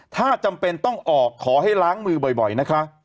ถ้าจำเป็นต้องออกขอให้ล้างมือบ่อยนะคะ